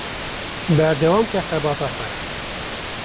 Berdewamke xebata xwe.